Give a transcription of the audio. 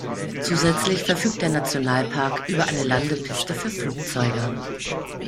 Zusätzlich verfügt der Nationalpark über eine Landepiste für Flugzeuge.